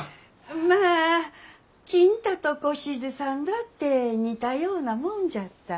まあ金太と小しずさんだって似たようなもんじゃった。